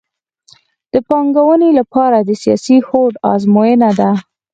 د پانګونې لپاره د سیاسي هوډ ازموینه ده